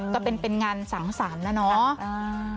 ก็เป็นงานสังสรรค์แล้วเนาะ